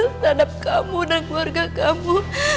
terhadap kamu dan keluarga kamu